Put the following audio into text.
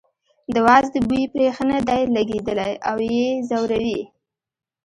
د وازدې بوی پرې ښه نه دی لګېدلی او یې ځوروي.